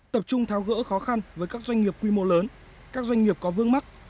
tập trung tháo gỡ khó khăn với các doanh nghiệp quy mô lớn các doanh nghiệp có vương mắc